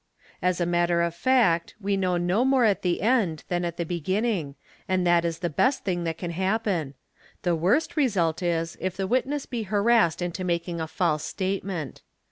Asa matter of baci we know no more at the end than at the begir ning, and that is the best thing that can happen; the worst result 1 if the witness be harassed into making a false statement.